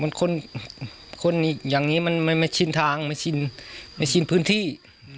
คนคนอย่างนี้มันไม่ชินทางไม่ชินไม่ชินพื้นที่